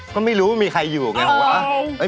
ก็ไม่รู้ว่ามีใครอยู่ไงผมว่า